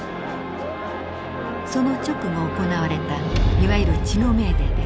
その直後行われたいわゆる血のメーデーです。